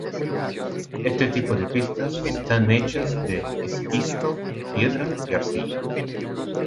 Este tipo de pistas están hechas de esquisto, piedra y arcilla.